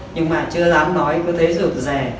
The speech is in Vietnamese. nhưng mà chưa dám nói có thấy rụt rè